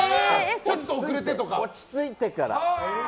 落ち着いてから。